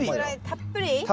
たっぷり。